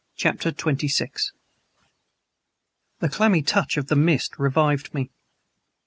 CHAPTER XXVI THE clammy touch of the mist revived me.